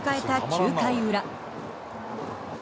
９回裏。